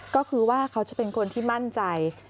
ก็คือว่าเขาจะเป็นคนที่มั่นใจ